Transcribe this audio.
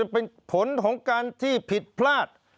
เป็นผลของการที่ผิดพลาด